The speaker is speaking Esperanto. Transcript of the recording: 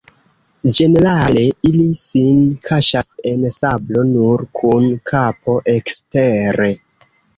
Ĝenerale ili sin kaŝas en sablo, nur kun kapo ekstere.